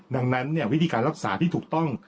ดังนั้นวิธีการรักษาที่ถูกต้อง